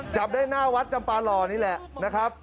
จับได้หน้าวัดจำปาหล่อนี่แหละนะครับ